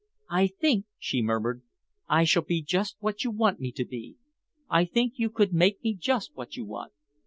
"I think," she murmured, "I shall be just what you want me to be. I think you could make me just what you want.